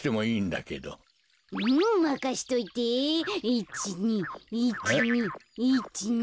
１２１２１２。